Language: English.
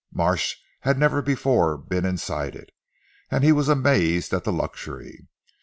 Marsh had never before been inside it, and he was amazed at the luxury.